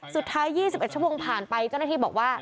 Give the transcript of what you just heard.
สุดท้าย๒๑ชั่วโมงผ่านไปเจ้าหน้าที่บอกว่า